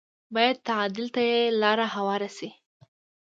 بايد تعديل ته یې لاره هواره شي